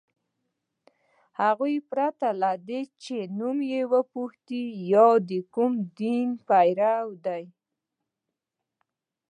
هغوی پرته له دې چي نوم یې وپوښتي یا د کوم دین پیروۍ ده